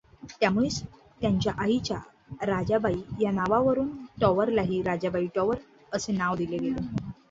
त्यामुळेच त्यांच्या आईच्या राजाबाई या नावावरून टॉवरलाही राजाबाई टॉवर असे नाव दिले गेले.